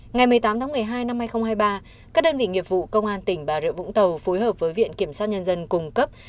ngày một mươi tám tháng một mươi hai năm hai nghìn hai mươi ba các đơn vị nghiệp vụ công an tỉnh bà rịa vũng tàu phối hợp với viện kiểm sát nhân dân cung cấp